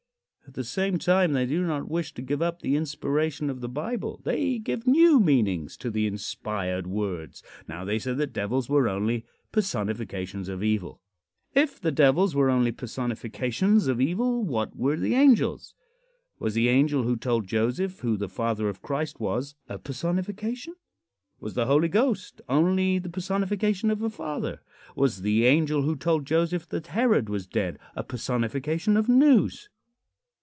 At the same time they do not wish to give up the inspiration of the Bible. They give new meanings to the inspired words. Now they say that devils were only personifications of evil. If the devils were only personifications of evil, what were the angels? Was the angel who told Joseph who the father of Christ was, a personification? Was the Holy Ghost only the personification of a father? Was the angel who told Joseph that Herod was dead a personification of news?